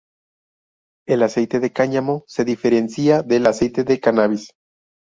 El aceite de cáñamo se diferencia del aceite de cannabis.